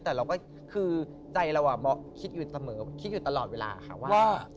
แต่เราก็คือใจเราคิดอยู่เสมอคิดอยู่ตลอดเวลาค่ะว่า